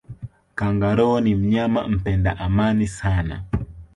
kangaroo ni mnyama mpenda amani sana